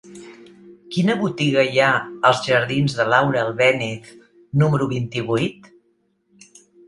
Quina botiga hi ha als jardins de Laura Albéniz número vint-i-vuit?